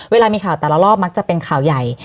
เวลามีข่าวแต่ละรอบมักจะเป็นข่าวใหญ่